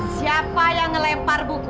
siapa yang melempar buku